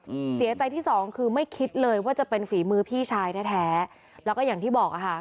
อืมเสียใจที่สองคือไม่คิดเลยว่าจะเป็นฝีมือพี่ชายแท้แท้แล้วก็อย่างที่บอกอ่ะค่ะ